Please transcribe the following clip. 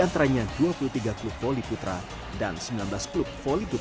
antaranya dua puluh tiga klub voli putra dan sembilan belas klub voli grup